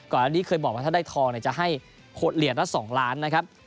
อันนี้เคยบอกว่าถ้าได้ทองจะให้เหรียญละ๒ล้านนะครับ